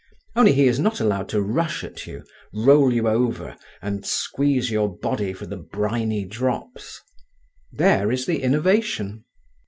Only he is not allowed to rush at you, roll you over and squeeze your body for the briny drops. There is the innovation.